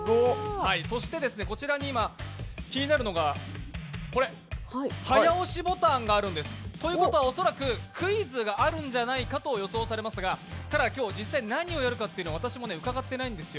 こちらに今、気になるのがこれ、早押しボタンがあるんです。ということは、恐らくクイズがあるんじゃないかと予想されますがただ今日、実際に何をやるかは私も伺っていないんですよ。